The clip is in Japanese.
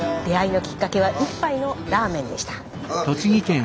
出会いのきっかけは一杯のラーメンでした。